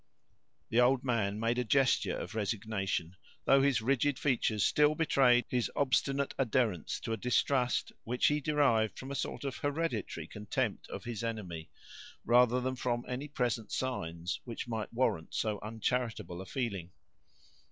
The old man made a gesture of resignation, though his rigid features still betrayed his obstinate adherence to a distrust, which he derived from a sort of hereditary contempt of his enemy, rather than from any present signs which might warrant so uncharitable a feeling.